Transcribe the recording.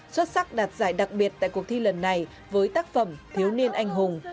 xuất sắc đạt giải đặc biệt tại cuộc thi lần này với tác phẩm thiếu niên anh hùng